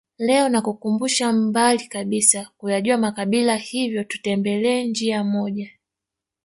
Leo nakukumbusha mbali kabisa kuyajua makabila hivyo tutembelee njia moja